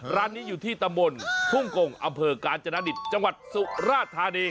ร้านนี้อยู่ที่ตำบลทุ่งกงอำเภอกาญจนดิตจังหวัดสุราธานี